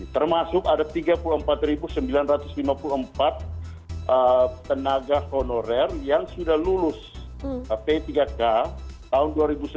termasuk ada tiga puluh empat sembilan ratus lima puluh empat tenaga honorer yang sudah lulus p tiga k tahun dua ribu sebelas